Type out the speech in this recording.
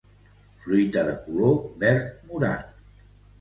Fruita de color verd morat.